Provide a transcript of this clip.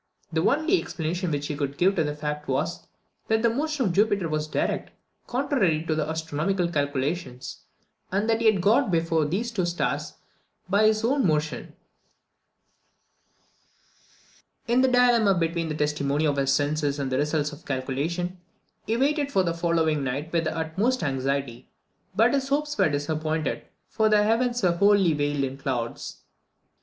The only explanation which he could give of this fact was, that the motion of Jupiter was direct, contrary to astronomical calculations, and that he had got before these two stars by his own motion. Nescio quo fato ductus. In this dilemma between the testimony of his senses and the results of calculation, he waited for the following night with the utmost anxiety; but his hopes were disappointed, for the heavens were wholly veiled in clouds.